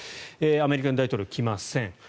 アメリカの大統領来ません。